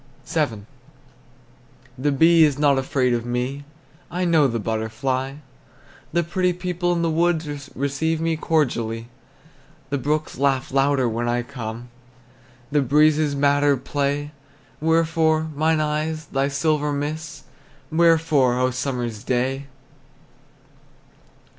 VII. The bee is not afraid of me, I know the butterfly; The pretty people in the woods Receive me cordially. The brooks laugh louder when I come, The breezes madder play. Wherefore, mine eyes, thy silver mists? Wherefore, O summer's day?